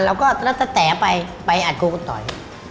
เราก็ตะแตะไปไปอาจกลัวคนต่อย